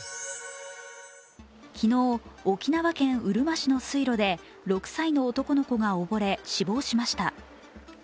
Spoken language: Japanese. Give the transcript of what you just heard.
昨日、沖縄県うるま市の水路で６歳の男の子が溺れ死亡しました。